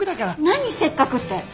何「せっかく」って？